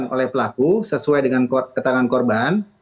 bukan oleh pelaku sesuai dengan ketangan korban